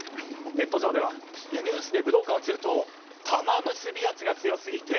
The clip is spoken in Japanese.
ネット上ではいやニュースで武道館が映るとたまむすび圧が強すぎて。